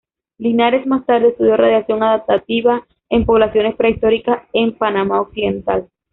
Linares más tarde estudió 'radiación adaptativa' en poblaciones prehistóricas en Panamá Occidental.